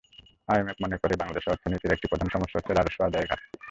IMF মনে করে, বাংলাদেশের অর্থনীতির একটি প্রধান সমস্যা হচ্ছে রাজস্ব আদায়ের ঘাটতি।